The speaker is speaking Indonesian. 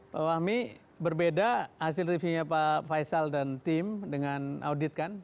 pak fahmi berbeda hasil review nya pak faisal dan tim dengan audit kan